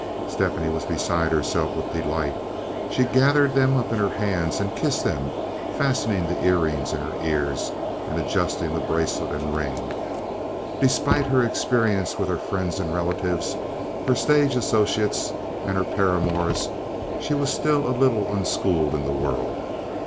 Stephanie was beside herself with delight. She gathered them up in her hands and kissed them, fastening the ear rings in her ears and adjusting the bracelet and ring. Despite her experience with her friends and relatives, her stage associates, and her paramours, she was still a little unschooled in the world.